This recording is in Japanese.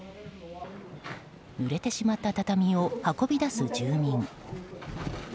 ぬれてしまった畳を運び出す住民。